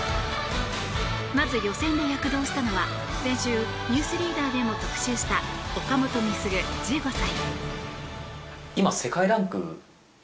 まず予選で躍動したのは先週、「ニュースリーダー」でも特集した岡本碧優、１５歳。